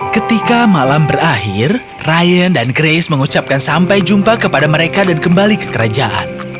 ketika malam berakhir ryan dan grace mengucapkan sampai jumpa kepada mereka dan kembali ke kerajaan